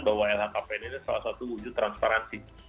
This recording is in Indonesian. bahwa lhkpn ini salah satu wujud transparansi